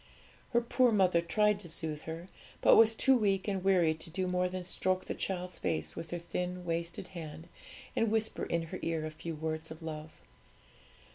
Her poor mother tried to soothe her, but was too weak and weary to do more than stroke the child's face with her thin, wasted hand, and whisper in her ear a few words of love.